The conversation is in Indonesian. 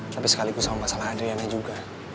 tapi sekaligus sama masalah adriannya juga